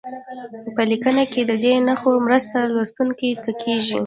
په لیکنه کې د دې نښو مرسته لوستونکي ته کیږي.